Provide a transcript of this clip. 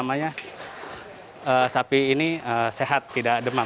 biasanya sapi ini sehat tidak demam